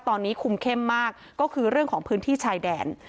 ตอนนี้คุมเข้มมากก็คือเรื่องของพื้นที่ชายแดน